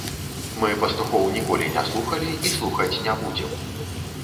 Мы пастухоў ніколі не слухалі і слухаць не будзем.